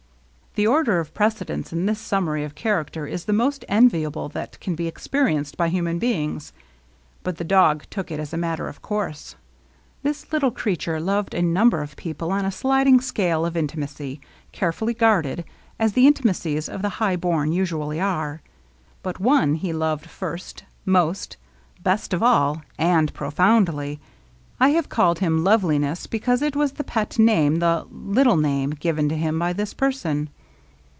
The order of pre cedence in this summary of character is the most enviable that can be experienced by human beinga But the dog took it as a matter of course. LOVELINESS. 8 This little creature loved a number of people on a sliding scale of intimacy^ carefully guarded^ as the intimacies of the high born usually are; but one he loved firsts most^ best of all^ and pro foundly. I have called him Loveliness because it was the pet name^ the '^ Uttle name/' given to him by this person.